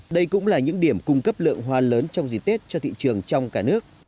đây cũng là những điểm cung cấp lượng hoa lớn trong dịp tết cho thị trường trong cả nước